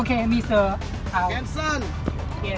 ขอเชิญลุงนี้ดีกว่าไม่ยอมลงรถ